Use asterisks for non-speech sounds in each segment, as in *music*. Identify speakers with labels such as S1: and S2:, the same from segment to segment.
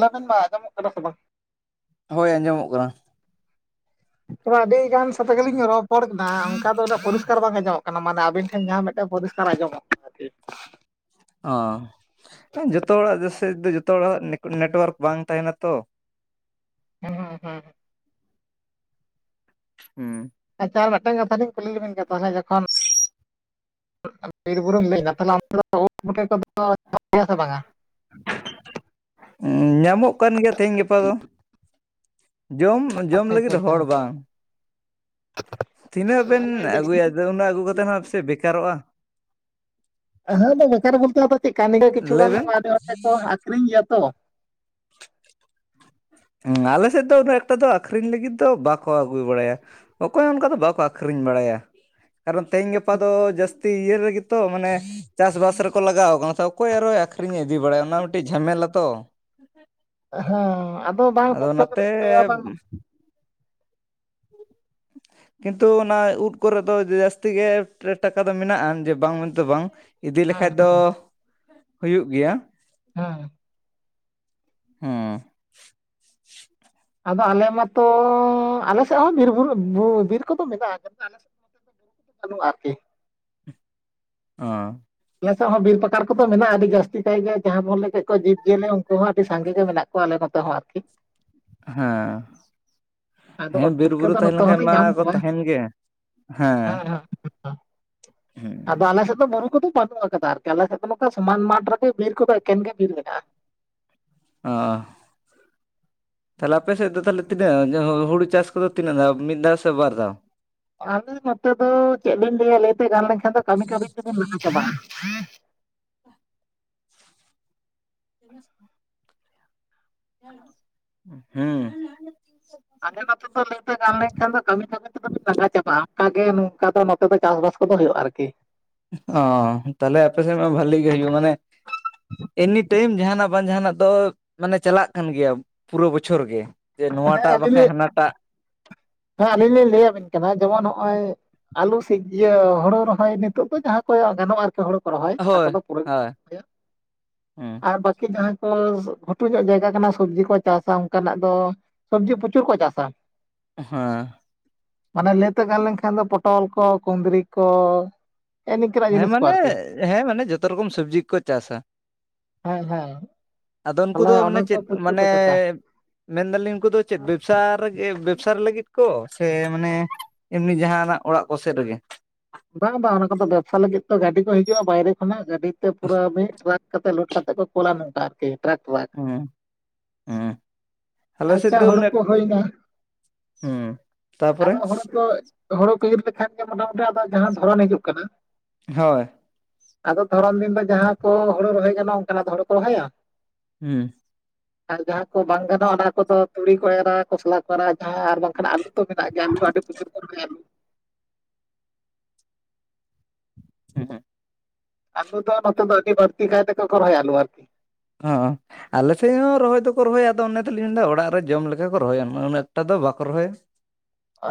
S1: ᱞᱟᱹᱭᱵᱤᱱ ᱢᱟ ᱟᱸᱡᱚᱢᱚᱜ ᱠᱟᱱᱟ ᱥᱮ ᱵᱟᱝ?
S2: ᱦᱳᱭ ᱟᱸᱡᱚᱢᱚᱜ ᱠᱟᱱᱟ ᱾
S1: ᱛᱷᱚᱲᱟ ᱟᱹᱰᱤ ᱜᱟᱱ ᱥᱟᱛᱮ ᱜᱮ ᱞᱤᱝ ᱨᱚᱯᱚᱲ ᱱᱟ ᱚᱱᱠᱟ ᱫᱚ ᱩᱱᱟᱹᱜ ᱯᱚᱨᱤᱥᱠᱟᱨ ᱵᱟᱝ ᱟᱸᱡᱚᱢᱚᱜ ᱠᱟᱱᱟ ᱢᱟᱱᱮ ᱟᱵᱤᱱ ᱴᱷᱮᱱ ᱡᱟᱦᱟᱸ ᱢᱤᱫᱴᱮᱱ ᱯᱚᱨᱤᱥᱠᱟᱨ ᱟᱸᱡᱚᱢᱚᱜ ᱠᱟᱱᱟ ᱟᱨᱠᱤ ᱾
S2: ᱚ, ᱦᱮᱸ ᱡᱚᱛᱚ ᱦᱚᱲᱟᱜ ᱥᱮᱡ ᱡᱚᱛᱚ ᱦᱚᱲᱟᱜ ᱱᱮᱠ-ᱱᱮᱴᱚᱣᱟᱨᱠ ᱵᱟᱝ ᱛᱟᱦᱮᱱᱟ ᱛᱚ ᱾
S1: *inaudible* ᱦᱩᱸ ᱾
S2: ᱦᱩᱸ ᱾
S1: ᱟᱪᱪᱷᱟ ᱟᱨ ᱢᱤᱫᱴᱟᱝ ᱠᱟᱛᱷᱟ ᱞᱤᱧ ᱠᱩᱞᱤ ᱞᱤᱵᱤᱱ ᱜᱮ ᱛᱟᱦᱚᱞᱮ ᱡᱚᱠᱷᱚᱱ ᱵᱤᱨᱵᱩᱨᱩᱢ ᱞᱟᱹᱭᱱᱟ ᱛᱟᱦᱚᱞᱮ ᱚᱱᱛᱮ ᱫᱚ ᱩᱫ ᱵᱩᱴᱟᱹ ᱠᱚᱫᱚ ᱧᱟᱢᱚᱜ ᱜᱮᱭᱟ ᱥᱮ ᱵᱟᱝᱟ?
S2: ᱧᱟᱢᱚᱜ ᱠᱟᱱ ᱜᱮᱭᱟ ᱛᱮᱦᱮᱧ ᱜᱟᱯᱟ ᱫᱚ ᱾ ᱡᱚᱢ ᱡᱚᱢ
S1: ᱟᱪᱪᱷᱟ ᱟᱪᱪᱷᱟ
S2: ᱞᱟᱹᱜᱤᱫ
S1: ᱟᱪᱪᱷᱟ
S2: ᱦᱚᱲ ᱵᱟᱝ ᱾ ᱛᱤᱱᱟᱹᱜ ᱵᱮᱱ
S1: ᱢᱟᱱᱮ ᱡᱟᱹᱥᱛᱤ
S2: ᱟᱹᱜᱩᱭᱟ ᱟᱫᱚ ᱩᱱᱟᱹᱜ ᱟᱹᱜᱩ ᱠᱟᱛᱮᱫ ᱦᱚᱸ ᱥᱮ ᱵᱮᱠᱟᱨᱚᱜᱼᱟ ᱾
S1: ᱦᱟᱸ ᱟᱫᱚ ᱵᱮᱠᱟᱨ ᱵᱚᱞᱛᱮ ᱟᱫᱚ ᱪᱮᱫᱠᱟ ᱱᱤᱡᱮ ᱠᱤᱪᱷᱩ
S2: ᱞᱟᱹᱭ
S1: ᱜᱟᱱ
S2: ᱵᱮᱱ
S1: ᱟᱹᱰᱤ ᱦᱚᱲ ᱴᱷᱮᱜ ᱠᱚ ᱟᱠᱷᱨᱤᱧ ᱜᱮᱭᱟ ᱛᱚ ᱾
S2: ᱦᱮᱸ ᱟᱞᱮᱥᱮᱫ ᱫᱚ ᱩᱱᱟᱹᱜ ᱮᱠᱴᱟ ᱫᱚ ᱟᱠᱷᱨᱤᱧ ᱞᱟᱹᱜᱤᱫ ᱫᱚ ᱵᱟᱠᱚ ᱟᱹᱜᱩ ᱵᱟᱲᱟᱭᱟ ᱾ ᱚᱠᱚᱭ ᱦᱚᱸ ᱚᱱᱠᱟᱫᱚ ᱵᱟᱠᱚ ᱟᱹᱠᱷᱨᱤᱧ ᱵᱟᱲᱟᱭᱟ ᱾ ᱠᱟᱨᱚᱱ ᱛᱮᱦᱮᱧ ᱜᱟᱯᱟ ᱫᱚ ᱡᱟᱹᱥᱛᱤ ᱤᱭᱟᱹ ᱨᱮᱜᱮᱛᱚ ᱢᱟᱱᱮ ᱪᱟᱥᱵᱟᱥ ᱨᱮᱠᱚ ᱞᱟᱜᱟᱣ ᱠᱟᱱᱟ ᱾ ᱛᱚ ᱚᱠᱚᱭ ᱟᱨᱦᱟᱭ ᱟᱠᱷᱨᱤ ᱤᱫᱤ ᱵᱟᱲᱟᱭᱟ ᱚᱱᱟ ᱢᱤᱫᱴᱤᱡ ᱡᱷᱟᱢᱮᱞᱟᱛᱚ ᱾
S1: ᱦᱮᱸ ᱟᱫᱚ ᱵᱟᱝ ᱯᱷᱚᱴᱠᱟ ᱠᱚᱫᱚ ᱞᱟᱹ *unintelligible* ᱵᱟᱝ
S2: *inaudible* ᱠᱤᱱᱛᱩ ᱚᱱᱟ ᱩᱫᱽ ᱠᱚᱨᱮ ᱫᱚ ᱡᱟᱹᱥᱛᱤ ᱜᱮ ᱴᱟᱠᱟ ᱫᱚ ᱢᱮᱱᱟᱜᱼᱟ ᱡᱮ ᱵᱟᱝ ᱢᱮᱱᱛᱮ ᱵᱟᱝ ᱾ ᱤᱫᱤ
S1: ᱦᱮᱸ
S2: ᱞᱮᱠᱟᱡ ᱫᱚ
S1: ᱦᱮᱸ
S2: ᱦᱩᱭᱩᱜ ᱜᱮᱭᱟ ᱾
S1: ᱦᱮᱸ‌᱾
S2: ᱦᱚᱸ᱾
S1: ᱟᱫᱚ ᱟᱞᱮ ᱢᱟᱛᱚ ᱟᱞᱮ ᱥᱮᱫ ᱦᱚᱸ ᱵᱤᱨ ᱵᱩᱨᱩ ᱵᱩ ᱵᱤᱨ ᱠᱚᱫᱚ ᱢᱮᱱᱟᱜᱼᱟ, ᱠᱤᱱᱛᱩ ᱟᱞᱮ ᱥᱮᱫ *unintelligible* ᱟᱨᱠᱤ ᱾
S2: ᱚ᱾
S1: ᱪᱮᱥᱮᱫ ᱦᱚᱸ ᱵᱤᱨ ᱯᱟᱠᱟᱲ ᱠᱚᱫᱚ ᱢᱮᱱᱟᱜᱼᱟ ᱟᱹᱰᱤ ᱡᱟᱹᱥᱛᱤ ᱠᱟᱭ ᱜᱮ ᱡᱟᱦᱟᱸ ᱵᱚᱱ ᱞᱟᱹᱭ ᱠᱮᱫ ᱠᱚ ᱡᱤᱵᱽᱼᱡᱤᱭᱟᱹᱞᱤ ᱩᱱᱠᱩ ᱦᱚᱸ ᱟᱹᱰᱤ ᱥᱟᱸᱜᱮ ᱜᱮ ᱢᱮᱱᱟᱜ ᱠᱚᱣᱟ ᱟᱞᱮ ᱱᱚᱛᱮ ᱦᱚᱸ ᱟᱨᱠᱤ᱾
S2: ᱦᱮᱸ᱾
S1: ᱟᱫᱚ
S2: ᱦᱮᱸ
S1: ᱩᱫ ᱯᱩᱴᱠᱟᱹ
S2: ᱵᱤᱨᱵᱩᱨᱩ
S1: ᱫᱚ
S2: ᱛᱟᱦᱮᱸ
S1: ᱱᱚᱛᱮ
S2: ᱞᱮᱱᱠᱟᱱ
S1: ᱦᱚᱸᱞᱮ ᱧᱟᱢ
S2: ᱢᱟᱠᱚ
S1: ᱠᱚᱣᱟ ᱦᱮᱸ
S2: ᱛᱟᱦᱮᱸᱱ ᱜᱮ ᱦᱮᱸ ᱾
S1: ᱟᱫᱚ ᱟᱞᱮ ᱥᱮᱫ ᱫᱚ ᱵᱩᱨᱩ ᱠᱚᱫᱚ ᱵᱟᱹᱱᱩᱜ ᱠᱟᱫᱟ ᱟᱨ ᱠᱤ ᱟᱞᱮᱥᱮᱫ ᱫᱚ ᱱᱚᱝᱠᱟ ᱥᱚᱢᱟᱱ ᱢᱟᱴᱷ ᱨᱮᱜᱮ ᱵᱤᱨ ᱠᱚᱫᱚ ᱮᱠᱮᱱ ᱜᱮ ᱵᱤᱨ ᱢᱮᱱᱟᱜᱼᱟ ᱾
S2: ᱟ᱾ ᱛᱟᱦᱞᱮ ᱟᱯᱮ ᱥᱮᱫ ᱫᱚ ᱛᱟᱦᱚᱞᱮ ᱛᱤᱱᱟᱹᱜ ᱦᱩᱲᱩ ᱪᱟᱥ ᱠᱚᱫᱚ ᱛᱤᱱᱟᱹᱜ ᱢᱤᱫ ᱫᱷᱟᱣ ᱥᱮ ᱵᱟᱨ ᱫᱷᱟᱣ?
S1: ᱟᱞᱮ ᱱᱚᱛᱮ ᱫᱚ ᱪᱮᱫ ᱵᱤᱱ ᱞᱟᱹᱭᱟ ᱞᱟᱹᱭᱛᱮ ᱜᱟᱱ ᱞᱮᱱᱠᱷᱟᱱ ᱫᱚ ᱠᱟᱹᱢᱤ ᱠᱟᱹᱢᱤ ᱛᱮ ᱵᱤᱱ ᱞᱟᱸᱜᱟ ᱪᱟᱵᱟᱜᱼᱟ ᱾
S2: *inaudible* ᱦᱩᱸ᱾
S1: ᱟᱞᱮ ᱫᱚ ᱱᱤᱛᱚᱜ ᱫᱚ ᱞᱟᱹᱭ ᱜᱟᱱ ᱞᱮᱱ ᱠᱷᱟᱱ ᱫᱚ ᱠᱟᱹᱢᱤ ᱠᱟᱹᱢᱤ ᱛᱮ ᱵᱤᱱ ᱞᱟᱸᱜᱟ ᱪᱟᱵᱟᱜᱼᱟ ᱚᱱᱠᱟᱜ ᱜᱮ ᱱᱚᱝᱠᱟ ᱫᱚ ᱱᱚᱛᱮ ᱫᱚ ᱪᱟᱥᱵᱟᱥ ᱠᱚᱫᱚ ᱦᱩᱭᱩᱜᱼᱟ ᱟᱨᱠᱤ ᱾
S2: ᱚ ᱛᱟᱦᱚᱞᱮ ᱟᱯᱮ ᱥᱮᱫ ᱢᱟ ᱵᱷᱟᱞᱮ ᱜᱮ ᱦᱩᱭᱩᱜᱼᱟ ᱢᱟᱱᱮ ᱮᱱᱤᱴᱟᱭᱤᱢ ᱡᱟᱦᱟᱸᱱᱟᱜ ᱵᱟᱝ ᱡᱟᱦᱟᱸᱱᱟᱜ ᱫᱚ ᱢᱟᱱᱮ ᱪᱟᱞᱟᱜ ᱠᱟᱱ ᱜᱮᱭᱟ ᱯᱩᱨᱟᱹ ᱵᱚᱪᱷᱚᱨ ᱜᱮ ᱾ ᱡᱮ
S1: ᱦᱮᱸ
S2: ᱱᱚᱣᱟᱴᱟᱜ
S1: ᱟᱹᱞᱤᱧ
S2: ᱵᱟᱠᱟᱡ
S1: ᱞᱤᱧ
S2: ᱦᱟᱱᱟᱸᱴᱟᱜ ᱾
S1: ᱦᱮᱸ ᱟᱹᱞᱤᱧ ᱞᱤᱧ ᱞᱟᱹᱭᱟᱵᱤᱱ ᱠᱟᱱᱟ ᱡᱮᱢᱚᱱ ᱦᱚᱸᱜᱼᱚᱭ ᱟᱞᱩ ᱥᱤᱡ ᱤᱭᱟᱹ ᱦᱳᱲᱳ ᱨᱚᱦᱚᱭ ᱱᱤᱛᱚᱜ ᱫᱚ ᱡᱟᱦᱟᱸ ᱠᱚᱭᱚᱜ ᱜᱟᱱᱚᱜᱼᱟ ᱦᱳᱲᱳ ᱠᱚ ᱨᱚᱦᱚᱭ ᱚᱱᱟ
S2: ᱦᱳᱭ
S1: ᱠᱚᱫᱚ ᱯᱩᱨᱟᱹ
S2: ᱦᱳᱭ
S1: ᱨᱚᱭᱟ,
S2: ᱦᱮᱸ
S1: ᱟᱨ ᱵᱟᱠᱤ ᱡᱟᱦᱟᱸ ᱠᱚ ᱜᱷᱩᱴᱩ ᱧᱚᱜ ᱡᱟᱭᱜᱟ ᱠᱟᱱᱟ ᱥᱚᱵᱽᱡᱤ ᱠᱚ ᱪᱟᱥᱟ ᱚᱱᱠᱟᱱᱟᱜ ᱫᱚ ᱥᱚᱵᱽᱡᱤ ᱯᱨᱚᱪᱩᱨ ᱠᱚ ᱪᱟᱥᱟ ᱾
S2: ᱦᱮᱸ ᱾
S1: ᱚᱱᱟ ᱤᱭᱟᱹᱛᱮ ᱜᱟᱱ ᱞᱮᱱᱠᱷᱟᱱ ᱫᱚ ᱯᱚᱴᱚᱞ ᱠᱚ ᱠᱩᱸᱫᱽᱨᱤ ᱠᱚ ᱦᱮᱜ ᱱᱤᱝᱠᱟᱹᱱᱟᱜ
S2: ᱦᱮᱸ
S1: ᱡᱤᱱᱤᱥ ᱠᱚ
S2: ᱢᱟᱱᱮ
S1: ᱟᱨᱠᱤ
S2: ᱦᱮᱸ ᱢᱟᱱᱮ ᱡᱷᱚᱛᱚ ᱨᱚᱠᱚᱢ ᱥᱚᱵᱡᱤ ᱠᱚ ᱪᱟᱥᱟ ᱾
S1: ᱦᱮᱸ ᱦᱮᱸ
S2: ᱟᱫᱚ ᱩᱱᱠᱩ
S1: ᱛᱟᱦᱚᱞᱮ
S2: ᱫᱚ
S1: ᱚᱱᱟ
S2: ᱢᱟᱱᱮ
S1: ᱠᱚ
S2: ᱪᱮᱫ
S1: ᱯᱨᱚᱪᱩᱨ
S2: ᱢᱟᱱᱮ
S1: ᱠᱚ ᱪᱟᱥᱟ
S2: ᱢᱮᱱᱫᱟᱹᱞᱤᱧ ᱩᱱᱠᱩ ᱫᱚ ᱪᱮᱫ ᱵᱮᱵᱥᱟ ᱵᱮᱵᱽᱥᱟ ᱞᱟᱹᱜᱤᱫ ᱠᱚ ᱥᱮ ᱢᱟᱱᱮ ᱮᱢᱱᱤ ᱡᱟᱦᱟᱸᱱᱟᱜ ᱚᱲᱟᱜ ᱠᱚᱥᱮᱫ ᱨᱮᱜᱮ?
S1: ᱵᱟᱝ ᱵᱟᱝ ᱚᱱᱟ ᱠᱚᱫᱚ ᱵᱮᱵᱥᱟ ᱞᱟᱹᱜᱤᱫ ᱛᱚ ᱜᱟᱹᱰᱤ ᱠᱚ ᱦᱤᱡᱩᱜᱼᱟ ᱵᱟᱭᱨᱮ ᱠᱷᱚᱱᱟᱜ ᱜᱟ ᱜᱟᱹᱰᱤ ᱛᱮ ᱯᱩᱨᱟᱹ ᱢᱤᱫ ᱴᱨᱟᱠ ᱠᱟᱛᱮ ᱞᱳᱴ ᱠᱟᱛᱮ ᱠᱚ ᱠᱳᱞᱟ ᱱᱚᱝᱠᱟ ᱟᱨᱠᱤ ᱴᱮᱨᱟᱠ ᱴᱮᱨᱟᱠ᱾
S2: ᱦᱩᱸ ᱦᱩᱸ ᱟᱞᱮ ᱥᱮᱫ
S1: ᱟᱪᱪᱷᱟ
S2: ᱫᱚ
S1: ᱦᱳᱲᱳ
S2: ᱩᱱᱟᱹᱜ
S1: ᱠᱚ ᱦᱩᱭᱱᱟ?
S2: ᱦᱩᱸ᱾ ᱛᱟᱯᱚᱨᱮ
S1: ᱟᱫᱚ ᱦᱳᱲᱳ ᱠᱚ ᱦᱳᱲᱳ ᱠᱚ ᱤᱨ ᱞᱮᱠᱷᱟᱱ ᱜᱮ ᱢᱚᱴᱟᱢᱩᱴᱤ ᱟᱫᱚ ᱡᱟᱦᱟᱸ ᱫᱷᱚᱨᱚᱱ ᱦᱤᱡᱩᱜ ᱠᱟᱱᱟ᱾
S2: ᱦᱳᱭ᱾
S1: ᱟᱫᱚ ᱫᱷᱚᱨᱚᱢ ᱫᱤᱱ ᱫᱚ ᱡᱟᱦᱟᱸ ᱠᱚ ᱦᱳᱲᱳ ᱨᱚᱦᱚᱭ ᱜᱟᱱᱚᱜᱼᱟ ᱚᱱᱠᱟᱱᱟᱜ ᱫᱚ ᱦᱳᱲᱳ ᱠᱚ ᱨᱚᱦᱚᱭᱟ᱾
S2: ᱦᱩᱸ᱾
S1: ᱟᱨ ᱡᱟᱦᱟᱸ ᱠᱚ ᱵᱟᱝ ᱜᱟᱱᱚᱜᱼᱟ ᱚᱱᱟ ᱠᱚᱫᱚ ᱛᱩᱲᱤ ᱠᱚ ᱮᱨᱟ, ᱠᱚᱥᱞᱟ ᱠᱚ ᱮᱨᱟ ᱡᱟᱦᱟᱸ ᱟᱨ ᱵᱟᱝᱠᱷᱟᱱ ᱟᱹᱞᱩ᱾ ᱛᱚ ᱢᱮᱱᱟᱜ ᱜᱮᱭᱟ ᱟᱹᱞᱩ ᱟᱹᱰᱤᱱ *unintelligible* ᱨᱮᱭᱟ ᱟᱹᱞᱩ᱾
S2: ᱦᱮᱸ ᱦᱮᱸ᱾
S1: ᱟᱞᱩ ᱫᱚ ᱱᱚᱛᱮ ᱫᱚ ᱟᱹᱰᱤ ᱵᱟᱹᱲᱛᱤ ᱠᱟᱭ ᱛᱮᱠᱚ ᱨᱚᱦᱚᱭᱟ ᱟᱞᱩ ᱟᱨᱠᱤ᱾
S2: ᱚ ᱚ᱾ ᱟᱞᱮ ᱥᱮᱫ ᱦᱚᱸ ᱨᱚᱦᱚᱭ ᱫᱚᱠᱚ ᱨᱚᱦᱚᱭᱟ ᱟᱫᱚ ᱚᱱᱮ ᱛᱚᱞᱤᱧ ᱢᱮᱱᱫᱟ ᱚᱲᱟᱜ ᱨᱮ ᱡᱚᱢ ᱞᱮᱠᱟ ᱠᱚ ᱨᱚᱦᱚᱭᱟ, ᱩᱱᱟᱹ ᱮᱠᱴᱟ ᱫᱚ ᱵᱟᱠᱚ ᱨᱚᱦᱚᱭᱟ᱾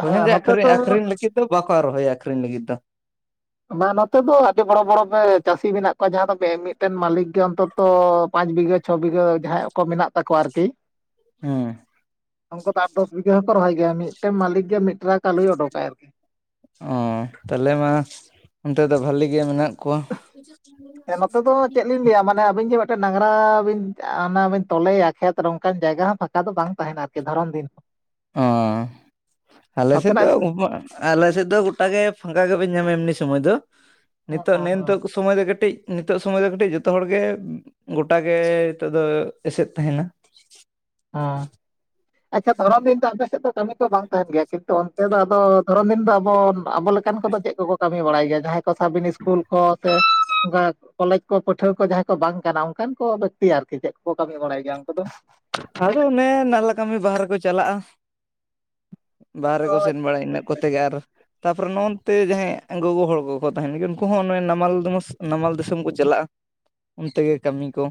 S2: ᱦᱳᱭ ᱦᱚᱸ
S1: ᱦᱮᱸ
S2: ᱡᱮ
S1: ᱱᱚᱛᱮ
S2: ᱟᱹᱠᱷᱨᱤᱧ
S1: ᱫᱚ
S2: ᱟᱠᱷᱨᱤᱧ ᱞᱟᱹᱜᱤᱫ ᱫᱚ ᱵᱟᱠᱚ ᱨᱚᱦᱚᱭᱟ ᱟᱠᱷᱨᱤᱧ ᱞᱟᱹᱜᱤᱫ ᱫᱚ᱾
S1: ᱵᱟᱝ ᱱᱚᱛᱮ ᱫᱚ ᱟᱹᱰᱤ ᱵᱚᱲᱚ ᱵᱚᱲᱚ ᱵᱮ ᱪᱟᱹᱥᱤ ᱢᱮᱱᱟᱜ ᱠᱚᱣᱟ ᱡᱟᱦᱟᱸ ᱫᱚ ᱢᱮ-ᱢᱤᱫᱴᱮᱱ ᱢᱟᱞᱤᱠ ᱜᱮ ᱚᱱᱛᱚᱛ ᱛᱚ ᱯᱟᱸᱪ ᱵᱤᱜᱷᱟᱹ, ᱪᱷᱚ ᱵᱤᱜᱷᱟᱹ ᱡᱟᱦᱟᱸᱭᱟᱜ ᱠᱚ ᱢᱮᱱᱟᱜ ᱛᱟᱠᱚᱣᱟ ᱟᱨᱠᱤ᱾
S2: ᱦᱮᱸ᱾
S1: ᱩᱱᱠᱩ ᱫᱚ ᱟᱴ-ᱫᱚᱥ ᱵᱤᱜᱟᱹ ᱦᱚᱸᱠᱚ ᱨᱚᱦᱚᱭ ᱜᱮᱭᱟ ᱢᱤᱫᱴᱮᱱ ᱢᱟᱹᱞᱤᱠ ᱜᱮ ᱢᱤᱫ ᱴᱨᱟᱠ ᱟᱹᱞᱩᱭ ᱚᱰᱚᱠᱟᱭ ᱟᱨᱠᱤ᱾
S2: ᱚ ᱛᱟᱦᱚᱞᱮ ᱢᱟ ᱚᱱᱛᱮ ᱫᱚ ᱵᱟᱹᱞᱤ ᱜᱮ ᱢᱮᱱᱟᱜ ᱠᱚᱣᱟ ᱾
S1: ᱟᱹᱞᱤᱧ ᱞᱟᱹᱭᱟ ᱢᱟᱱᱮ ᱟᱹᱵᱤᱱ ᱡᱮ ᱢᱤᱫᱴᱮᱱ ᱰᱟᱝᱽᱨᱟ ᱵᱤᱱ ᱚᱱᱟ ᱵᱤᱱ ᱛᱚᱞᱮᱭᱟ ᱠᱷᱮᱛ ᱚᱝᱠᱟᱱ ᱡᱟᱭᱜᱟ ᱦᱚᱸ ᱯᱷᱟᱸᱠᱟ ᱫᱚ ᱵᱟᱝ ᱛᱟᱦᱮᱱᱟ ᱟᱨ ᱠᱮ ᱫᱷᱚᱨᱚᱢ ᱫᱤᱱ᱾ ᱦᱚᱸ
S2: ᱚ ᱟᱞᱮ ᱥᱮᱫ ᱫᱚ
S1: ᱱᱚᱛᱮᱱᱟᱜ ᱦᱮᱸ
S2: ᱟᱞᱮ ᱥᱮᱫ ᱫᱚ ᱜᱚᱴᱟ ᱜᱮ ᱯᱷᱟᱠᱟ ᱜᱮᱵᱮᱱ ᱧᱟᱢᱟ ᱮᱢᱱᱤ ᱥᱩᱢᱚᱭ ᱫᱚ, ᱱᱤᱛᱚᱜ
S1: ᱦᱮᱸ
S2: ᱱᱮ-ᱮᱱᱛᱚᱜ ᱥᱚᱢᱚᱭ ᱫᱚ ᱠᱟᱹᱴᱤᱡ ᱱᱤᱛᱚᱜ ᱥᱚᱢᱚᱭ ᱫᱚ ᱠᱟᱹᱴᱤᱡ ᱡᱚᱛᱚ ᱦᱚᱲ ᱜᱮ ᱜᱚᱴᱟ ᱜᱮ ᱱᱤᱛᱚᱜ ᱫᱚ ᱮᱥᱮᱫ ᱛᱟᱦᱮᱱᱟ᱾
S1: ᱚ᱾ ᱟᱪᱪᱷᱟ ᱫᱷᱚᱨᱚᱢ ᱫᱤᱱ ᱫᱚ ᱟᱯᱮ ᱥᱮᱫ ᱫᱚ ᱠᱟᱹᱢᱤ ᱫᱚ ᱵᱟᱝ ᱛᱟᱦᱮᱱ ᱜᱮᱭᱟ᱾ ᱠᱤᱱᱛᱩ ᱚᱱᱛᱮ ᱫᱚ ᱟᱫᱚ ᱫᱷᱚᱨᱚᱢ ᱫᱤᱱ ᱫᱚ ᱟᱵᱚ ᱟᱵᱚ ᱞᱮ ᱠᱟᱱ ᱠᱚᱫᱚ ᱪᱮᱫ ᱠᱚᱠᱚ ᱠᱟᱹᱢᱤ ᱵᱟᱲᱟᱭ ᱜᱮᱭᱟ᱾ ᱡᱟᱦᱟᱸᱭ ᱠᱚ ᱥᱟᱵ ᱵᱤᱱ ᱤᱥᱠᱩᱞ ᱠᱚ ᱥᱮ ᱚᱱᱠᱟ ᱠᱚᱞᱮᱡᱽ ᱠᱚ ᱯᱟᱹᱴᱷᱩᱣᱟᱹ ᱠᱚ ᱡᱟᱦᱟᱸᱭ ᱠᱚ ᱵᱟᱝ ᱠᱟᱱᱟ ᱚᱱᱠᱟᱱ ᱠᱚ ᱵᱮᱠᱛᱤ ᱟᱨᱠᱤ ᱪᱮᱫ ᱠᱚᱠᱚ ᱠᱟᱹᱢᱤ ᱵᱟᱲᱟᱭ ᱜᱮᱭᱟ ᱩᱱᱠᱩ ᱫᱚ?
S2: ᱟᱫᱚ ᱚᱱᱮ ᱱᱟᱞᱞᱟ ᱠᱟᱹᱢᱤ ᱵᱟᱨᱦᱮ ᱠᱚ ᱪᱟᱞᱟᱜ-ᱟ᱾ ᱵᱟᱦᱨᱮ
S1: ᱚ
S2: ᱠᱚ ᱥᱮᱱ ᱵᱟᱲᱟᱭ ᱤᱱᱟᱹᱜ ᱠᱚᱛᱮ ᱜᱮ ᱟᱨ ᱛᱟᱯ ᱯᱚᱨᱮ ᱱᱚ ᱚᱱᱛᱮ ᱡᱟᱦᱟᱸᱭ ᱜᱚᱜᱚ ᱦᱚᱲ ᱠᱚᱠᱚ ᱛᱟᱦᱮᱱ ᱜᱮ ᱩᱱᱠᱩ ᱦᱚᱸ ᱟᱱᱮ ᱱᱟᱢᱟᱞ ᱫᱚᱢᱚᱥ ᱱᱟᱢᱟᱞ ᱫᱤᱥᱚᱢ ᱠᱚ ᱪᱟᱞᱟᱜᱼᱟ᱾ ᱚᱱᱛᱮ ᱜᱮ ᱠᱟᱹᱢᱤ ᱠᱚ᱾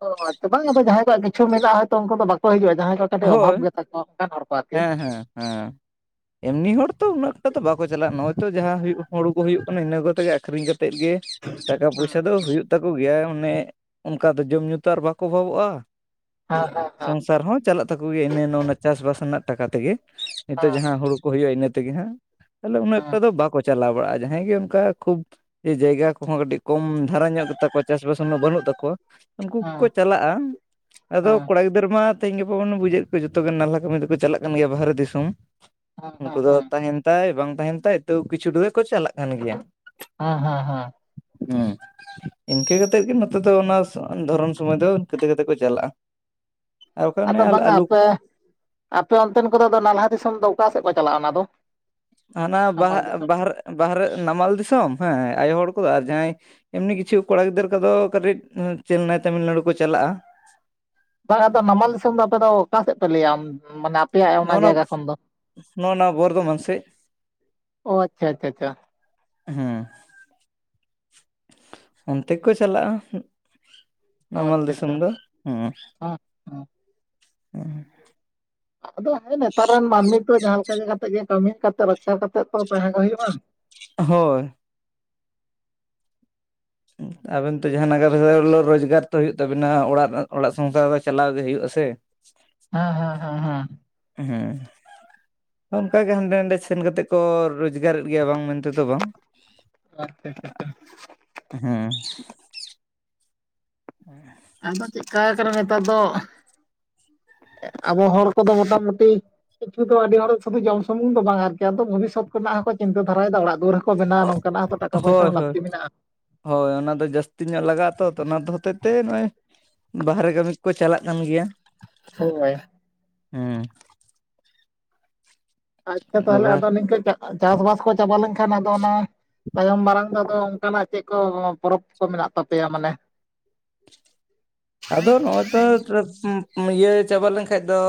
S1: ᱛᱚ ᱦᱚᱯᱞᱭᱛᱚ ᱵᱟᱝ ᱟᱫᱚ ᱡᱟᱦᱟᱸᱭ ᱠᱚᱣᱟᱜ ᱠᱤᱪᱷᱩ ᱢᱮᱱᱟᱜᱼᱟ ᱦᱚᱭᱛᱳ ᱩᱱᱠᱩ ᱫᱚ ᱵᱟᱠᱚ ᱦᱤᱡᱩᱜᱼᱟ ᱡᱟᱦᱟᱸᱭ ᱠᱚ ᱠᱟᱴᱤᱡ ᱚᱵᱷᱟᱵᱽ
S2: ᱦᱳᱭ
S1: ᱜᱮᱛᱟᱠᱚᱣᱟ ᱚᱱᱠᱟᱱ ᱦᱚᱲ ᱠᱚ ᱟᱨᱠᱤ᱾
S2: ᱦᱮᱸ ᱦᱮᱸ ᱦᱮᱸ᱾ ᱮᱢᱱᱤ ᱦᱚᱲ ᱛᱚ ᱩᱱᱟᱹᱜ ᱮᱠᱴᱟ ᱛᱚ ᱫᱚ ᱵᱟᱠᱚ ᱪᱟᱞᱟᱜᱼᱟ ᱱᱚᱜᱼᱚᱭ ᱛᱚ ᱡᱟᱦᱟᱸ ᱦᱩᱭᱩᱜ ᱦᱩᱲ ᱠᱚ ᱦᱩᱭᱩᱜ ᱠᱟᱱᱟ ᱤᱱᱟᱹ ᱠᱚ ᱠᱟᱛᱮᱜᱮ ᱟᱠᱷᱨᱤᱧ ᱠᱟᱛᱮ ᱛᱮᱫ ᱜᱮ ᱴᱟᱠᱟ
S1: ᱦᱮᱸ
S2: ᱯᱚᱭᱥᱟ ᱫᱚ ᱦᱩᱭᱩᱜ ᱛᱟᱠᱚ ᱜᱮᱭᱟ ᱚᱱᱮ ᱚᱱᱠᱟ ᱫᱚ ᱡᱚᱢᱼᱧᱩ ᱛᱚ ᱟᱨ ᱵᱟᱠᱚ ᱚᱵᱷᱟᱵᱚᱜᱼᱟ᱾
S1: ᱦᱮᱸ ᱦᱮᱸ ᱦᱮᱸ᱾
S2: ᱥᱚᱝᱥᱟᱨ ᱦᱚᱸ ᱪᱟᱞᱟᱜ ᱛᱟᱠᱚ ᱜᱮᱭᱟ ᱤᱱᱟᱹ ᱤᱱᱟ ᱚᱱᱟ ᱪᱟᱥᱵᱟᱥ ᱨᱮᱱᱟᱜ ᱴᱟᱠᱟ ᱛᱮᱜᱮ ᱱᱤᱛᱚᱜ
S1: ᱦᱮᱸ
S2: ᱡᱟᱦᱟᱸ ᱦᱩᱲᱩ ᱠᱚ ᱦᱩᱭᱩᱜᱼᱟ ᱤᱱᱟᱹ ᱛᱮᱜᱮ ᱦᱟᱸᱜ᱾ ᱛᱟᱦᱞᱮ ᱩᱱᱟᱹᱜ ᱮᱠᱴᱟ
S1: ᱦᱮᱸ
S2: ᱫᱚ ᱵᱟᱠᱚ ᱪᱟᱞᱟᱣ ᱵᱟᱲᱟᱜᱼᱟ ᱡᱟᱦᱟᱸᱭ ᱜᱮ ᱚᱱᱠᱟ ᱠᱷᱩᱵ ᱮ ᱡᱟᱭᱜᱟ ᱠᱚᱦᱚᱸ ᱠᱟᱹᱴᱤᱡ ᱠᱚᱢ ᱫᱷᱟᱨᱟ ᱧᱚᱜ ᱜᱮᱛᱟ ᱠᱚᱣᱟ ᱪᱟᱥᱼᱵᱟᱥ ᱩᱱᱟᱹᱜ ᱵᱟᱹᱱᱩᱜ ᱛᱟᱠᱚᱣᱟ᱾ ᱩᱱᱠᱩ ᱠᱚᱠᱚ
S1: ᱦᱮᱸ
S2: ᱪᱟᱞᱟᱜᱼᱟ ᱟᱫᱚ
S1: ᱦᱮᱸ
S2: ᱠᱚᱲᱟ ᱜᱤᱫᱟᱹᱨᱟᱹ ᱢᱟ ᱛᱮᱦᱮᱧ ᱜᱟᱯᱟ ᱵᱚᱱ ᱵᱩᱡᱟᱹᱣᱮᱫ ᱠᱚᱣᱟ ᱡᱚᱛᱚ ᱜᱮ ᱱᱟᱞᱦᱟ ᱠᱟᱹᱢᱤ ᱫᱚᱠᱚ ᱪᱟᱞᱟᱜ ᱠᱟᱱ ᱜᱮᱭᱟ ᱵᱟᱨᱦᱨᱮ ᱫᱤᱥᱚᱢ᱾
S1: ᱦᱮᱸ ᱦᱮᱸ
S2: ᱩᱱᱠᱩ ᱫᱚ
S1: ᱦᱮᱸ
S2: ᱛᱟᱦᱮᱱ ᱛᱟᱭ ᱵᱟᱝ ᱛᱟᱦᱮᱱ ᱛᱟᱭ ᱛᱟᱹᱣ ᱠᱤᱪᱷᱩᱴᱟ ᱫᱚᱠᱚ ᱪᱟᱞᱟᱜ ᱠᱟᱱ ᱜᱮᱭᱟ᱾
S1: ᱦᱮᱸ ᱦᱮᱸ ᱦᱮᱸ᱾
S2: ᱦᱮᱸ᱾ ᱤᱱᱠᱟᱹ ᱠᱟᱛᱮ ᱜᱮ ᱱᱚᱛᱮ ᱫᱚ ᱚᱱᱟ ᱫᱷᱚᱨᱚᱱ ᱥᱚᱢᱚᱭ ᱫᱚ ᱤᱱᱠᱟᱹ ᱛᱮ ᱠᱟᱛᱮ ᱠᱚ ᱪᱟᱞᱟᱜᱼᱟ᱾ ᱟᱨ ᱵᱟᱠᱷᱟᱱ
S1: ᱟᱫᱚ
S2: ᱚᱱᱮ
S1: ᱵᱟᱝᱟ
S2: ᱟᱞᱩ
S1: ᱟᱯᱮ ᱟᱯᱮ ᱚᱱᱛᱮᱱ ᱠᱚᱫᱚ ᱫᱚ ᱟᱫᱚ ᱱᱟᱞᱦᱟ ᱫᱤᱥᱚᱢ ᱫᱚ ᱚᱠᱟ ᱥᱮᱫ ᱠᱚ ᱪᱟᱞᱟᱜᱼᱟ ᱚᱱᱟ ᱫᱚ?
S2: ᱦᱟᱱᱟ ᱵᱟᱦ
S1: ᱱᱟᱢᱟᱞ ᱫᱤᱥᱚᱢ
S2: ᱵᱟᱦᱨᱮ ᱵᱟᱦᱨᱮ ᱱᱟᱢᱟᱞ ᱫᱤᱥᱚᱢ ᱦᱮᱸ ᱟᱭᱳ ᱦᱚᱲ ᱠᱚᱫᱚ ᱟᱨ ᱡᱟᱦᱟᱸᱭᱼᱼ ᱮᱢᱱᱤ ᱠᱤᱪᱷᱩ ᱠᱚᱲᱟ ᱜᱤᱫᱽᱨᱟᱹ ᱠᱚᱫᱚ ᱠᱟᱹᱴᱤᱡ ᱪᱮᱱᱱᱟᱭ ᱛᱟᱹᱢᱤᱞᱱᱟᱹᱲᱩ ᱠᱚ ᱪᱟᱞᱟᱜᱼᱟ ᱾
S1: ᱵᱟᱝ ᱟᱫᱚ, ᱱᱟᱢᱟᱞ ᱫᱤᱥᱚᱢ ᱫᱚ ᱟᱯᱮ ᱫᱚ ᱚᱠᱟ ᱥᱮᱫ ᱯᱮ ᱞᱟᱹᱭᱟ? ᱢᱟᱱᱮᱼᱼ ᱟᱯᱮᱭᱟᱜ ᱚᱱᱟ
S2: ᱱᱚᱜᱼᱱᱟ
S1: ᱡᱟᱭᱜᱟ ᱠᱷᱚᱱ ᱫᱚ
S2: ᱱᱚᱜᱼᱱᱟ ᱵᱚᱨᱫᱷᱚᱢᱟᱱ ᱥᱮᱫ
S1: ᱚ ᱟᱪᱪᱷᱟ ᱟᱪᱪᱷᱟ ᱪᱷᱟ ᱾
S2: ᱦᱮᱸ ᱾ ᱚᱱᱛᱮ ᱠᱚ ᱪᱟᱞᱟᱜᱼᱟ,
S1: ᱚ
S2: ᱱᱟᱢᱟᱞ
S1: ᱟᱪᱪᱷᱟ
S2: ᱫᱤᱥᱚᱢ
S1: ᱟᱪᱪᱷᱟ
S2: ᱫᱚ ᱦᱩᱸᱼᱼ
S1: ᱦᱮᱸ ᱦᱮᱸ
S2: *unintelligible*
S1: ᱟᱫᱚ ᱦᱮᱸ ᱱᱮᱛᱟᱨ ᱨᱮᱱ ᱢᱟᱹᱱᱢᱤ ᱠᱚ ᱡᱟᱦᱟᱸ ᱞᱮᱠᱟ ᱠᱟᱛᱮᱜ ᱜᱮ ᱠᱟᱹᱢᱤ ᱠᱟᱛᱮᱜ, ᱨᱳᱡᱽᱜᱟᱨ ᱠᱟᱛᱮᱜ ᱛᱚ ᱛᱟᱦᱮᱸᱜ ᱦᱩᱭᱩᱜᱼᱟ ᱾
S2: ᱦᱳᱭ ᱾ ᱟᱵᱮᱱ ᱛᱚ ᱡᱟᱦᱟᱸ ᱱᱟᱜᱟᱨ ᱨᱳᱡᱽᱜᱟᱨ ᱛᱚ ᱦᱩᱭᱩᱜ ᱛᱟᱵᱤᱱᱟ, ᱚᱲᱟᱜ ᱚᱲᱟᱜ ᱥᱚᱝᱥᱟᱨ ᱫᱚ ᱪᱟᱞᱟᱣ ᱜᱮ ᱦᱩᱭᱩᱜ ᱟᱥᱮ ᱾
S1: ᱦᱮᱸ ᱦᱮᱸ ᱦᱮᱸ ᱾
S2: ᱦᱮᱸ ᱾ ᱚᱱᱠᱟ ᱜᱮ ᱦᱟᱸᱰᱮ ᱱᱟᱰᱮ ᱥᱮᱱ ᱠᱟᱛᱮᱜ ᱠᱚ ᱨᱚᱡᱽᱜᱟᱨᱮᱫ ᱜᱮᱭᱟ, ᱵᱟᱝ ᱢᱮᱱᱛᱮ ᱫᱚ ᱵᱟᱝ ᱾
S1: ᱟᱪᱪᱷᱟ ᱟᱪᱪᱷᱟ ᱟᱪᱪᱷᱟ ᱾
S2: ᱦᱮᱸ ᱾
S1: ᱟᱫᱚ ᱪᱮᱫ ᱠᱟ ᱠᱟᱱᱟ ᱱᱮᱛᱟᱨ ᱫᱚ, ᱟᱵᱚ ᱦᱚᱲ ᱠᱚᱫᱚ ᱢᱚᱴᱟ ᱢᱩᱴᱤᱼᱼ ᱠᱤᱪᱷᱩ ᱫᱚ ᱟᱹᱰᱤ ᱦᱚᱲ ᱥᱩᱫᱩ ᱡᱚᱢ ᱥᱩᱢᱩᱝ ᱫᱚ ᱵᱟᱝ, ᱟᱨᱡᱟᱣ ᱫᱚ ᱵᱷᱚᱵᱤᱥᱥᱚᱛ ᱠᱚᱨᱮᱱᱟᱜ ᱦᱚᱸ ᱪᱤᱱᱛᱟᱹ ᱫᱷᱟᱨᱟᱭᱮᱫᱟ ᱚᱲᱟᱜ ᱫᱩᱣᱟᱹᱨᱼᱼ ᱵᱮᱱᱟᱣᱟ,
S2: ᱚ
S1: ᱱᱚᱝᱠᱟᱱᱟᱜ ᱦᱚᱸ ᱛᱚ ᱴᱟᱠᱟ ᱯᱚᱭᱥᱟ
S2: ᱦᱳᱭ
S1: ᱦᱚᱸ
S2: ᱦᱳᱭ
S1: ᱞᱟᱹᱠᱛᱤ ᱢᱮᱱᱟᱜᱼᱟ ᱾
S2: ᱦᱳᱭ ᱚᱱᱟ ᱫᱚ ᱡᱟᱹᱥᱛᱤ ᱧᱚᱜ ᱞᱟᱜᱟᱜ ᱟᱛᱚ ᱚᱱᱟ ᱦᱚᱛᱮᱡ ᱛᱮ ᱱᱚᱜᱼᱚᱭᱼᱼ ᱵᱟᱦᱨᱮ ᱠᱟᱹᱢᱤ ᱠᱚ ᱠᱚ ᱪᱟᱞᱟᱜ ᱠᱟᱱ ᱜᱮᱭᱟ ᱾
S1: ᱦᱚᱭ ᱾
S2: ᱦᱮᱸ ᱾
S1: ᱟᱪᱪᱷᱟ ᱛᱟᱦᱚᱞᱮ ᱟᱫᱚ ᱱᱤᱝᱠᱟᱹ ᱪᱟᱥᱵᱟᱥ ᱠᱚ ᱪᱟᱵᱟ ᱞᱮᱱᱠᱷᱟᱱ ᱟᱫᱚ ᱚᱱᱟᱼᱼ ᱛᱟᱭᱚᱢ ᱢᱟᱨᱟᱝ ᱫᱚ ᱟᱫᱚ ᱚᱱᱠᱟᱱᱟᱜ ᱪᱮᱫ ᱠᱚ ᱯᱚᱨᱚᱵᱽ ᱠᱚ ᱢᱮᱱᱟᱜ ᱛᱟᱯᱮᱭᱟ ᱢᱟᱱᱮ?
S2: ᱟᱫᱚ ᱱᱚᱜᱼᱚᱭᱼᱼ *unintelligible* ᱤᱭᱟᱹ ᱪᱟᱵᱟ ᱞᱮᱱᱠᱷᱟᱱ ᱫᱚᱼᱼ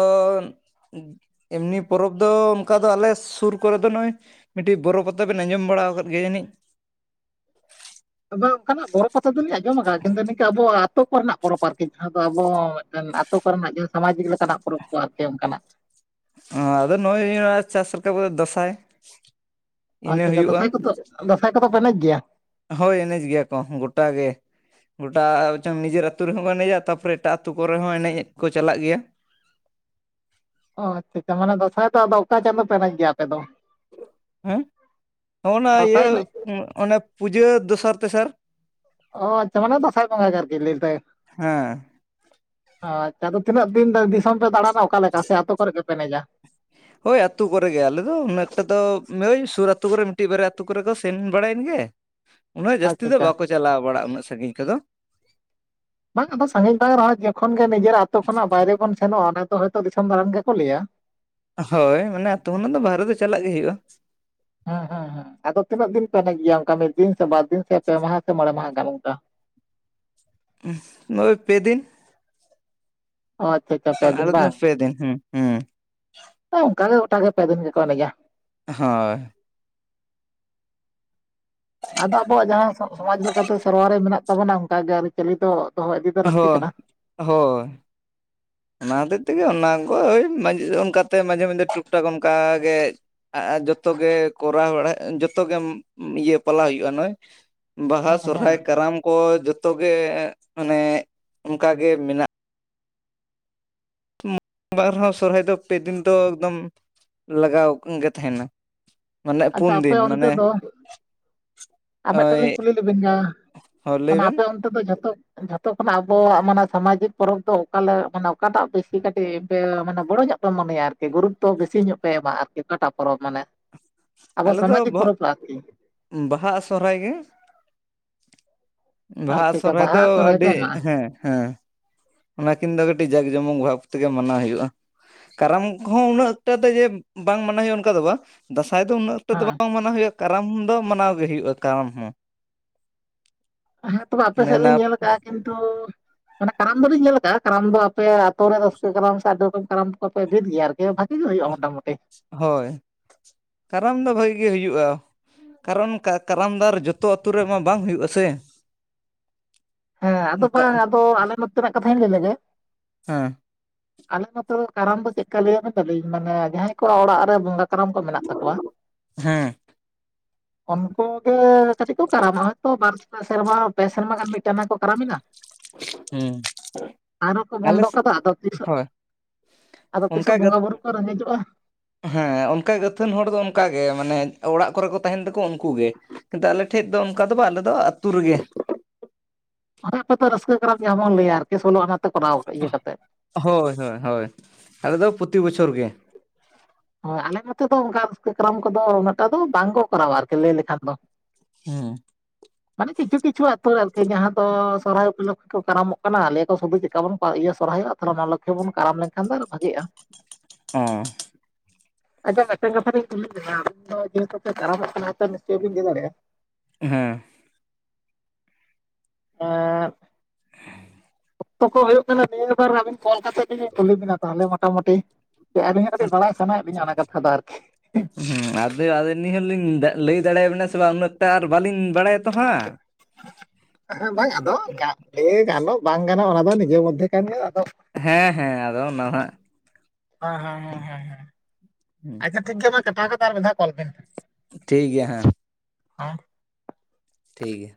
S2: ᱮᱢᱱᱤ ᱯᱚᱨᱚᱵᱽ ᱫᱚ ᱚᱱᱠᱟ ᱫᱚ ᱟᱞᱮ ᱥᱩᱨ ᱠᱚᱨᱮ ᱫᱚ ᱱᱚᱜᱼᱚᱭᱼᱼ ᱢᱤᱫᱴᱤᱡ ᱵᱚᱨᱚ ᱯᱟᱛᱟ ᱵᱤᱱ ᱟᱸᱡᱚᱢ ᱵᱟᱲᱟ ᱟᱠᱟᱫ ᱜᱮᱭᱟ ᱡᱟᱱᱤᱡ?
S1: ᱟᱫᱚ ᱚᱱᱠᱟᱱᱟᱜ ᱵᱚᱨᱚ ᱯᱟᱛᱟ ᱫᱚᱞᱤᱧ ᱟᱸᱡᱚᱢ ᱟᱠᱟᱫᱟ, ᱠᱤᱱᱛᱩ ᱱᱤᱝᱠᱟᱹ ᱟᱵᱚᱣᱟᱜ ᱟᱛᱳ ᱠᱚᱨᱮᱱᱟᱜ ᱯᱚᱨᱚᱵᱽ ᱟᱨᱠᱤ ᱡᱟᱦᱟᱸ ᱫᱚ ᱟᱵᱚ ᱢᱤᱫᱴᱮᱱᱼᱼ ᱟᱛᱩ ᱠᱚᱨᱮᱱᱟᱜ ᱡᱟᱦᱟᱸ ᱥᱟᱢᱟᱡᱤᱠ ᱞᱮᱠᱟᱱᱟᱜ ᱯᱚᱨᱚᱵᱽ ᱠᱚ ᱟᱨᱠᱤ ᱚᱱᱠᱟᱱᱟᱜ ᱾
S2: ᱱᱚᱣᱟᱫᱚ ᱱᱩᱭ ᱪᱟᱥ ᱨᱟᱠᱟᱵ ᱠᱟᱛᱮ ᱫᱟᱸᱥᱟᱭᱼᱼ
S1: ᱟᱪᱪᱷᱟ ᱟᱪᱪᱷᱟ, ᱫᱟᱸᱥᱟᱭ ᱠᱚᱫᱚ ᱫᱟᱸᱥᱟᱭ ᱠᱚᱫᱚ ᱯᱮ ᱮᱱᱮᱡ ᱜᱮᱭᱟ?
S2: ᱦᱳᱭ ᱮᱱᱮᱡ ᱜᱮᱭᱟ ᱠᱚ, ᱜᱚᱴᱟ ᱜᱮ ᱾ ᱜᱚᱴᱟ ᱪᱚᱝ ᱱᱤᱡᱮᱨ ᱟᱹᱛᱩ ᱨᱮᱦᱚᱸ ᱠᱚ ᱮᱱᱮᱡᱟ, ᱛᱟᱨᱯᱚᱨᱮ ᱮᱴᱟᱜ ᱟᱹᱛᱩ ᱠᱚᱨᱮ ᱦᱚᱸ ᱮᱱᱮᱡ ᱠᱚ ᱪᱟᱞᱟᱜ ᱜᱮᱭᱟ ᱾
S1: ᱚ ᱟᱪᱪᱷᱟ ᱟᱪᱪᱷᱟ, ᱢᱟᱱᱮ ᱫᱟᱸᱥᱟᱭ ᱫᱚ ᱟᱫᱚ ᱚᱠᱟ ᱪᱟᱸᱫᱚ ᱯᱮ ᱮᱱᱮᱡ ᱜᱮᱭᱟ ᱟᱯᱮ ᱫᱚ?
S2: ᱦᱮᱸᱜ? ᱦᱚᱸᱜᱼᱱᱟ ᱤᱭᱟᱹ
S1: ᱫᱟᱸᱥᱟᱭ ᱮᱱᱮᱡ
S2: ᱚᱱᱮ ᱯᱩᱡᱟᱹ ᱫᱚᱥᱟᱨ ᱛᱮᱥᱟᱨ ᱾
S1: ᱚ ᱟᱪᱪᱷᱟ ᱢᱟᱱᱮ ᱫᱟᱸᱥᱟᱭ ᱵᱚᱸᱜᱟ ᱜᱮ ᱟᱨᱠᱤ ᱞᱟᱹᱭ ᱛᱟᱭ
S2: ᱦᱮᱸ
S1: ᱾ ᱟᱪᱪᱷᱟ ᱟᱫᱚ ᱛᱤᱱᱟᱹᱜ ᱫᱤᱱ ᱫᱤᱥᱚᱢ ᱯᱮ ᱫᱟᱬᱟᱱᱟ? ᱚᱠᱟᱞᱮᱠᱟ ᱥᱮ ᱟᱹᱛᱩ ᱠᱚᱨᱮ ᱜᱮᱯᱮ ᱮᱱᱮᱡᱟ?
S2: ᱦᱳᱭ ᱟᱛᱩ ᱠᱚᱨᱮ ᱜᱮ ᱾ ᱟᱞᱮ ᱫᱚ ᱩᱱᱟᱹᱠᱴᱟ ᱫᱚ ᱥᱩᱨ ᱟᱹᱛᱩ ᱠᱚᱨᱮ ᱢᱤᱫᱴᱤᱡ ᱵᱟᱨᱭᱟ ᱟᱹᱛᱩ ᱠᱚᱨᱮ ᱠᱚ ᱥᱮᱱ ᱵᱟᱲᱟᱭᱮᱱ ᱜᱮ ᱾ ᱩᱱᱟᱹᱜ ᱡᱟᱹᱥᱛᱤ
S1: ᱟᱪᱪᱷᱟ
S2: ᱫᱚ
S1: ᱟᱪᱪᱷᱟ
S2: ᱵᱟᱠᱚ ᱪᱟᱞᱟᱣ ᱵᱟᱲᱟᱜᱼᱟ, ᱩᱱᱟᱹᱜ ᱥᱟᱺᱜᱤᱧ ᱠᱚᱫᱚ ᱾
S1: ᱵᱟᱝ ᱟᱫᱚ ᱥᱟᱺᱜᱤᱧ ᱵᱟᱝ ᱨᱮᱦᱚᱸ ᱡᱚᱠᱷᱚᱱ ᱜᱮ ᱱᱤᱡᱮᱨ ᱟᱛᱩ ᱠᱷᱚᱱᱟᱜ ᱵᱟᱭᱨᱮ ᱵᱚᱱ ᱥᱮᱱᱚᱜᱼᱟ, ᱚᱱᱟ ᱫᱚ ᱦᱚᱭᱛᱳ ᱫᱤᱥᱚᱢ ᱫᱟᱲᱟᱱ ᱜᱮᱠᱚ ᱞᱟᱹᱭᱟ ᱾
S2: ᱦᱳᱭ ᱢᱟᱱᱮ ᱟᱛᱩ ᱠᱷᱚᱱᱟᱜ ᱫᱚ ᱵᱟᱨᱦᱮ ᱫᱚ ᱪᱟᱞᱟᱜ ᱜᱮ ᱦᱩᱭᱩᱜᱼᱟ ᱾
S1: ᱦᱮᱸ ᱦᱩᱸ ᱦᱩᱸ, ᱟᱫᱚ ᱛᱤᱱᱟᱹᱜ ᱫᱤᱱ ᱯᱮ ᱮᱱᱮᱡ ᱜᱮᱭᱟ ᱚᱱᱠᱟ ᱢᱤᱫ ᱫᱤᱱ, ᱥᱮ ᱵᱟᱨ ᱫᱤᱱ, ᱥᱮ ᱯᱮ ᱢᱟᱦᱟ, ᱥᱮ ᱢᱚᱬᱮ ᱢᱟᱦᱟ ᱜᱟᱱ ᱚᱝᱠᱟ?
S2: ᱮᱭ ᱯᱮ ᱫᱤᱱ ᱾
S1: ᱚ ᱟᱪᱪᱷᱟ ᱟᱪᱪᱷᱟ ᱯᱮᱫᱤᱱ
S2: ᱟᱞᱮ ᱫᱚ
S1: ᱵᱟᱝ
S2: ᱯᱮ ᱫᱤᱱ ᱦᱩᱸ ᱦᱩᱸ
S1: ᱾ ᱚᱱᱠᱟ ᱜᱮ ᱜᱚᱴᱟ ᱜᱮ ᱯᱮ ᱫᱤᱱ ᱜᱮᱠᱚ ᱮᱱᱮᱡᱟ ᱾
S2: ᱦᱚᱸᱭ᱾
S1: ᱟᱫᱚ ᱟᱵᱚᱣᱟᱜ ᱡᱟᱦᱟᱸ ᱥᱚ-ᱥᱚᱢᱟᱡᱽ ᱞᱮᱠᱟᱛᱮ ᱥᱮᱨᱣᱟ ᱨᱮ ᱢᱮᱱᱟᱜ ᱛᱟᱵᱚᱱᱟ ᱚᱝᱠᱟ ᱜᱮ ᱟᱨᱤ-ᱪᱟᱹᱞᱤ ᱫᱚ ᱫᱚᱦᱚ ᱤᱫᱤ ᱫᱚ ᱞᱟᱹᱠᱛᱤ ᱠᱟᱱᱟ᱾
S2: ᱦᱳᱭ᱾ ᱚᱱᱟ ᱛᱮᱜ ᱛᱮᱜᱮ ᱚᱱᱟ ᱠᱚ ᱳᱭ ᱢᱟᱡ ᱚᱱᱠᱟᱛᱮ ᱢᱟᱡᱮ-ᱢᱚᱡᱫᱷᱮ ᱴᱩᱠ-ᱴᱟᱠ ᱚᱱᱠᱟ ᱜᱮ ᱟᱟ ᱡᱚᱛᱚ ᱜᱮ ᱠᱚᱨᱟᱣ ᱵᱟᱲᱟ ᱡᱚᱛᱚ ᱜᱮᱢ ᱩᱸ ᱤᱭᱟᱹ ᱯᱟᱞᱟᱣ ᱭᱩᱜᱼᱟ ᱱᱚᱭ 'ᱵᱟᱦᱟ',
S1: ᱦᱮᱸ ᱦᱮᱸ
S2: 'ᱥᱚᱨᱦᱟᱭ', 'ᱠᱟᱨᱟᱢ' ᱠᱚ ᱡᱚᱛᱚ ᱜᱮ ᱮᱸᱜ ᱢᱟᱱᱮᱜ ᱚᱱᱠᱟᱜᱮ ᱢᱮᱱᱟᱜ ᱢᱩᱜ, ᱵᱟᱨ ᱦᱚᱸ 'ᱥᱚᱨᱦᱟᱭ' ᱫᱚ ᱯᱮ ᱫᱤᱱ ᱫᱚ ᱮᱠᱫᱚᱢ ᱞᱟᱜᱟᱣᱚᱠ ᱜᱮ ᱛᱷᱮᱱᱟ᱾ ᱢᱟᱱᱮᱜ ᱯᱩᱱ ᱫᱤᱱ ᱢᱟᱱᱮ
S1: ᱟᱵ ᱢᱮᱜᱴᱮᱱ
S2: ᱳᱭ
S1: ᱞᱤᱧ ᱠᱩᱞᱤ ᱞᱮᱵᱮᱱ ᱧᱟᱦ ᱜᱮ
S2: ᱦᱚᱸ ᱞᱟᱹᱭ
S1: ᱚᱱᱟ
S2: ᱵᱮᱱ
S1: ᱟᱯᱮ ᱚᱱᱛᱮ ᱫᱚ ᱡᱷᱚᱛᱚ ᱡᱷᱚᱛᱚ ᱠᱷᱚᱱᱟᱜ ᱟᱵᱚᱣᱟᱜ ᱢᱟᱱᱮ ᱥᱟᱢᱟᱡᱤᱠ ᱯᱚᱨᱚᱵᱽ ᱫᱚ ᱚᱠᱟᱞᱮ, ᱢᱟᱱᱮ ᱚᱠᱟᱴᱟᱜ ᱵᱮᱥᱤ ᱠᱟᱹᱴᱤᱜ ᱯᱮ ᱢᱟᱱᱮ ᱵᱚᱲᱚ ᱧᱚᱜ ᱯᱮ ᱢᱚᱱᱮᱭᱟ ᱟᱨᱠᱤ ᱜᱩᱨᱩᱛᱚ ᱵᱮᱥᱤ ᱧᱚᱜ ᱯᱮ ᱮᱢᱟ ᱟᱨᱠᱤ ᱚᱠᱟᱴᱟᱜ ᱯᱚᱨᱚᱵᱽ? ᱢᱟᱱᱮ ᱟᱵᱚ
S2: ᱟᱞᱮ ᱫᱚ
S1: ᱥᱟᱢᱟᱡᱤᱠ
S2: ᱵᱷᱟᱜ,
S1: ᱯᱚᱨᱚᱵᱽ ᱨᱮ ᱟᱨᱠᱤ
S2: 'ᱵᱟᱦᱟ' ᱟᱨ 'ᱥᱚᱨᱦᱟᱭ' ᱜᱮ᱾ 'ᱵᱟᱦᱟ' ᱟ
S1: ᱟᱪᱪᱷᱟ ᱟᱪᱪᱷᱟ
S2: 'ᱥᱚᱨᱦᱟᱭ'
S1: ᱵᱟᱦᱟ
S2: ᱫᱚ
S1: ᱥᱚᱨᱦᱟᱭ ᱯᱮ
S2: ᱟᱹᱰᱤ
S1: ᱮᱢᱟᱜᱼᱟ
S2: ᱦᱮᱸ-ᱦᱮᱸ ᱚᱱᱟ ᱠᱤᱱ ᱫᱚ ᱠᱟᱹᱴᱤᱜ ᱡᱟᱠ-ᱡᱚᱢᱚᱠ ᱵᱷᱟᱵᱽ ᱛᱮᱜᱮ ᱢᱟᱱᱟᱣ ᱭᱩᱜᱭᱼᱟ᱾ 'ᱠᱟᱨᱟᱢ' ᱠᱚᱦᱚᱸ ᱩᱱᱟᱹᱜ ᱮᱠᱴᱟ ᱫᱚ ᱡᱮ ᱵᱟᱝ ᱢᱟᱱᱟᱣ ᱦᱩᱭᱩᱜᱼᱟ ᱚᱱᱠᱟ ᱫᱚ ᱵᱟ 'ᱫᱟᱥᱟᱭ' ᱫᱚ ᱩᱱᱟᱹᱜ ᱚᱠᱛᱮ ᱫᱚ
S1: ᱦᱮᱸ
S2: ᱵᱟᱝ ᱢᱟᱱᱟᱣ ᱦᱩᱭᱩᱜᱼᱟ, 'ᱠᱟᱨᱟᱢ' ᱫᱚ ᱢᱟᱱᱟᱣ ᱜᱮ ᱦᱩᱭᱩᱜᱼᱟ, 'ᱠᱟᱨᱟᱢ' ᱦᱚᱸ᱾
S1: ᱦᱮᱸ, ᱛᱚᱵᱮ ᱟᱯᱮ ᱥᱮᱜ
S2: ᱱᱮᱱᱟ
S1: ᱞᱤᱧ ᱧᱮᱞ ᱠᱟᱜᱼᱟ ᱠᱤᱱᱛᱩ ᱢᱟᱱᱮ 'ᱠᱟᱨᱟᱢ' ᱫᱚᱞᱤᱧ ᱧᱮᱞ ᱠᱟᱜᱼᱟ 'ᱠᱟᱨᱟᱢ' ᱫᱚ ᱟᱯᱮ ᱟᱛᱳ ᱨᱮ ᱨᱟᱹᱥᱠᱟᱹ 'ᱠᱟᱨᱟᱢ' ᱥᱮ ᱟᱹᱰᱤ ᱨᱚᱠᱚᱢ 'ᱠᱟᱨᱟᱢ' ᱠᱚᱯᱮ ᱵᱷᱤᱫᱽ ᱜᱮᱭᱟ ᱟᱨᱠᱤ? ᱤᱭᱟᱹ ᱵᱷᱟᱹᱜᱤ ᱜᱮ ᱦᱩᱭᱩᱜᱼᱟ ᱢᱚᱴᱟ-ᱢᱩᱴᱤ?
S2: ᱦᱳᱭ, 'ᱠᱟᱨᱟᱢ' ᱫᱚ ᱵᱷᱟᱹᱜᱤ ᱜᱮ ᱦᱩᱭᱩᱜᱼᱟ᱾ ᱠᱟᱨᱚᱱ ᱠᱟ 'ᱠᱟᱨᱟᱢ' ᱫᱟᱨ ᱡᱚᱛᱚ ᱟᱛᱩ ᱨᱮᱢᱟ ᱵᱟᱝ ᱦᱩᱭᱩᱜᱟ ᱥᱮ!
S1: ᱦᱮᱸ, ᱟᱫᱚ ᱵᱟᱸ
S2: ᱦᱮᱸ
S1: ᱟᱫᱚ ᱟᱞᱮ ᱱᱚᱛᱮᱱᱟᱜ ᱠᱟᱛᱷᱟᱹᱧ ᱞᱟᱹᱭ ᱞᱮᱜᱮ᱾
S2: ᱦᱮᱸ᱾
S1: ᱟᱞᱮ ᱢᱚᱛᱚ 'ᱠᱟᱨᱟᱢ' ᱫᱚ ᱪᱮᱜᱠᱟ ᱞᱟᱹᱭᱟ ᱢᱮ ᱛᱟᱞᱤᱧ ᱢᱟᱱᱮ ᱡᱟᱦᱟᱸᱭ ᱠᱚᱣᱟᱜ ᱚᱲᱟᱜ ᱨᱮ ᱵᱚᱸᱜᱟ 'ᱠᱟᱨᱟᱢ' ᱠᱚ ᱢᱮᱱᱟᱜ ᱛᱟᱠᱚᱣᱟ
S2: ᱦᱮᱸ
S1: ᱩᱱᱠᱩ ᱜᱮ ᱠᱟᱴᱤᱜ ᱠᱚ 'ᱠᱟᱨᱟᱢᱚᱜ' ᱚᱭ ᱛᱚ ᱵᱟᱨ ᱥᱮᱨᱢᱟ, ᱯᱮ ᱥᱮᱨᱢᱟ ᱜᱟᱱ ᱢᱤᱜᱴᱟᱱᱟ ᱠᱚ 'ᱠᱟᱨᱟᱢᱮ' ᱱᱟ, ᱟᱨᱚ ᱠᱚ
S2: ᱟᱞᱮ
S1: ᱵᱚᱱᱫᱚ ᱠᱟᱫᱟ ᱟᱫᱚ ᱛᱤᱥᱚᱜ
S2: ᱦᱳᱭ
S1: ᱟᱫᱚ
S2: ᱚᱱᱠᱟ
S1: ᱛᱤᱥᱚᱜ
S2: ᱜᱮ
S1: ᱵᱚᱸᱜᱟ-ᱵᱩᱨᱩ ᱠᱚ ᱨᱮᱸᱜᱮᱡᱚᱜᱼᱟ?
S2: ᱦᱮᱸ, ᱚᱱᱠᱟ ᱜᱟᱹ ᱟᱹᱛᱷᱟᱹᱱ ᱦᱚᱲ ᱫᱚ ᱚᱱᱠᱟ ᱜᱮ, ᱢᱟᱱᱮ ᱚᱲᱟᱜ ᱠᱚᱨᱮ ᱠᱚ ᱛᱟᱦᱮᱱ ᱛᱟᱠᱚ ᱩᱱᱠᱩ ᱜᱮ᱾ ᱠᱤᱱᱛᱟᱹ ᱟᱞᱮ ᱴᱷᱮᱜ ᱫᱚ, ᱚᱱᱠᱟ ᱫᱚ ᱵᱟ ᱟᱞᱮ ᱫᱚ ᱟᱛᱩ ᱨᱮᱜᱮ᱾
S1: *inaudible*
S2: ᱦᱳᱭ-ᱦᱳᱭ, ᱦᱳᱭ, ᱟᱞᱮ ᱫᱚ ᱯᱚᱛᱤ ᱵᱚᱪᱷᱚᱨ ᱜᱮ᱾
S1: ᱦᱳ, ᱟᱞᱮ ᱱᱚᱛᱮ ᱫᱚ ᱚᱝᱠᱟ ᱟᱹᱥᱠᱟᱹ 'ᱠᱟᱨᱟᱢ' ᱠᱚᱫᱚ ᱩᱱᱟᱹᱜᱴᱟ ᱫᱚ ᱵᱟᱝ ᱠᱚ ᱠᱚᱨᱟᱣᱟ ᱟᱨᱠᱤ ᱞᱟᱹᱭ ᱞᱮᱠᱷᱟᱱ ᱫᱚ᱾
S2: ᱦᱩᱸ᱾
S1: ᱢᱟᱱᱮ ᱠᱤᱪᱷᱩ-ᱠᱤᱪᱷᱩ ᱟᱛᱳ ᱨᱮ ᱟᱨᱠᱤ ᱡᱟᱦᱟᱸ ᱫᱚ 'ᱥᱚᱨᱦᱟᱭ' ᱩᱯᱚᱞᱚᱠᱠᱷᱮ ᱠᱚ 'ᱠᱟᱨᱟᱢᱚᱜ' ᱠᱟᱱᱟ ᱟᱞᱮ ᱠᱚ ᱥᱩᱫᱩ ᱪᱮᱠᱟ ᱵᱚᱱ ᱯᱟ ᱤᱭᱟᱹ ᱥᱚᱨᱦᱟᱭᱚᱜᱼᱟ? ᱛᱟᱞᱮ ᱚᱱᱟ ᱞᱚᱠᱷᱮ ᱵᱚᱱ 'ᱠᱟᱨᱟᱢ' ᱞᱮᱠᱷᱟᱱ ᱫᱚ ᱟᱨᱚ ᱵᱷᱟᱜᱮᱜᱼᱟ᱾
S2: ᱚᱸ᱾
S1: ᱟᱪᱪᱷᱟ ᱢᱮᱜᱴᱮᱝ ᱠᱟᱛᱷᱟ ᱞᱤᱧ ᱠᱩᱞᱤ ᱵᱤᱱᱟ ᱛᱚ ᱡᱮᱦᱮᱛᱩ ᱯᱮ ᱠᱟᱨᱟᱢᱚᱜ ᱠᱟᱱᱟ ᱱᱤᱥᱪᱚᱭ ᱵᱤᱱ ᱞᱟᱹᱭ ᱫᱟᱲᱮᱜᱼᱟ᱾
S2: ᱦᱮᱸ᱾
S1: ᱮᱸᱼᱫ᱾ ᱚᱠᱛᱚ ᱠᱚ ᱦᱩᱭᱩᱜ ᱠᱟᱱᱟ ᱱᱤᱭᱟᱹ ᱵᱟᱨ ᱟᱹᱵᱤᱱ ᱠᱚᱞ ᱠᱟᱛᱮ ᱜᱮᱞᱤᱧ ᱠᱩᱞᱤ ᱵᱤᱱᱟ ᱛᱟᱦᱞᱮ ᱢᱚᱴᱟ-ᱢᱩᱴᱤ᱾ ᱡᱮ ᱟᱹᱞᱤᱧᱚᱜ ᱠᱟᱹᱴᱤᱜ ᱵᱟᱲᱟᱭ ᱥᱟᱱᱟᱭᱮᱜ ᱞᱤᱱᱟ ᱚᱱᱟ ᱠᱟᱛᱷᱟ ᱫᱚ ᱟᱨᱠᱤ᱾
S2: ᱦᱩᱸ, ᱟᱫᱚ ᱟ ᱱᱤᱦᱟᱹ ᱞᱤᱧ ᱫᱟᱜ ᱞᱟᱹᱭ ᱫᱟᱲᱮᱭᱟ ᱵᱮᱱᱟ ᱥᱮ ᱵᱟ ᱩᱱᱟᱹᱜᱴᱟ ᱟᱨ ᱵᱟᱞᱤᱧ ᱵᱟᱲᱟᱭᱟ ᱛᱚ ᱦᱟᱸᱜ᱾
S1: ᱦᱮᱸ, ᱵᱟᱝ ᱟᱫᱚ ᱜᱟ ᱞᱟᱹ ᱜᱟᱱᱚᱜ ᱵᱟᱝ ᱜᱟᱱᱚᱜ, ᱚᱱᱟ ᱫᱚ ᱱᱤᱡᱮ ᱢᱚᱫᱽᱫᱷᱮ ᱠᱟᱱ ᱜᱮᱭᱟ ᱟᱫᱚ
S2: ᱦᱮᱸ-ᱦᱮᱸ, ᱟᱫᱚ ᱱᱟᱣᱦᱟᱜ
S1: ᱦᱮᱸ ᱦᱮᱸ ᱦᱮᱸ ᱦᱮᱸ ᱦᱮᱸ ᱟᱪᱪᱷᱟ ᱴᱷᱤᱠᱜᱮᱭᱟ ᱢᱟ ᱠᱟᱴᱟᱣ ᱠᱟᱛᱮᱫ ᱟᱨ ᱢᱤᱫ ᱫᱷᱟᱣ ᱠᱚᱞ ᱵᱤᱱ ᱾
S2: ᱴᱷᱤᱠ ᱜᱮᱭᱟ ᱦᱮᱸ,
S1: *unintelligible*
S2: ᱴᱷᱤᱠ ᱜᱮᱭᱟ᱾